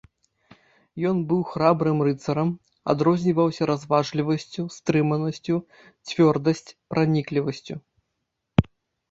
Ён быў храбрым рыцарам, адрозніваўся разважлівасцю, стрыманасцю, цвёрдасць, праніклівасцю.